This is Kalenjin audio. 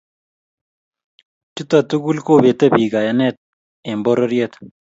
Chuto tugul kobete bik kayanet eng pororiet